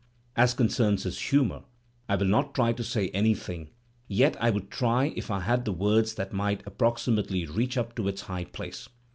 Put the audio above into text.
... As concerns his humour, I will not try to say anything, yet I would try if I had the words that might approximately reach up to its high place.